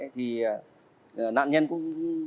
thì nạn nhân cũng